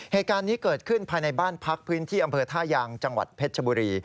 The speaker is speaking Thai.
เหตุการณ์นี้เกิดขึ้นภายในบ้านพักพื้นที่อำเภอท่ายางจังหวัดเพชรชบุรี